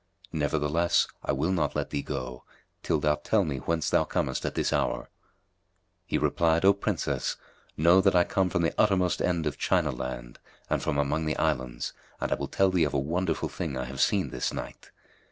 Nevertheless, I will not let thee go, till thou tell me whence thou comest at this hour." He replied, "O Princess, Know that I come from the uttermost end of China land and from among the Islands, and I will tell thee of a wonderful thing I have seen this night.